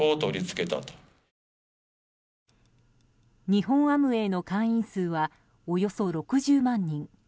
日本アムウェイの会員数はおよそ６０万人。